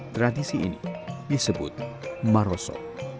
tradisi ini disebut maroso